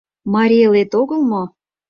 Марий Элет огыл мо?